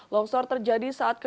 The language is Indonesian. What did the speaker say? longsor terjadi saat ke tiga